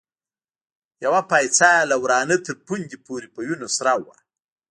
يوه پايڅه يې له ورانه تر پوندې پورې په وينو سره وه.